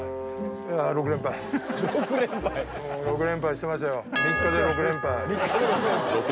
６連敗してましたよ。